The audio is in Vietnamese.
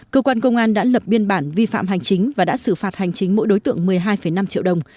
cơ quan công an đã lập biên bản vi phạm hành chính và đã xử phạt hành chính mỗi đối tượng một mươi hai năm triệu đồng